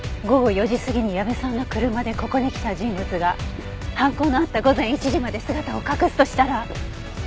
午後４時過ぎに矢部さんの車でここに来た人物が犯行のあった午前１時まで姿を隠すとしたら。